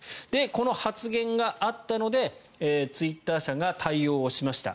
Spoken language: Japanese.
この発言があったのでツイッター社が対応しました。